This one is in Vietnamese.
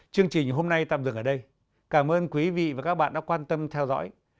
chương trình hôm nay tạm dừng ở đây cảm ơn quý vị và các bạn đã quan tâm theo dõi